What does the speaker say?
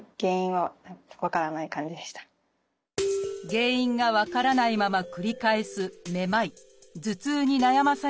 原因が分からないまま繰り返すめまい頭痛に悩まされた織田さん。